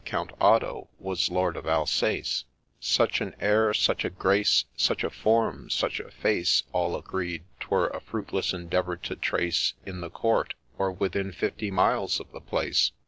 Count Otto, was lord of Alsace ; Such an air, such a grace, Such a form, such a face, All agreed, 'twere a fruitless endeavour to trace In the Court, or within fifty miles of the place.